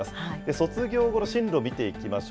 卒業後の進路を見ていきましょう。